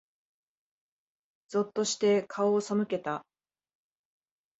ぞっとして、顔を背けた。